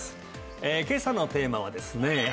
今朝のテーマはですね